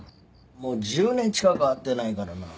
もう１０年近く会ってないからな。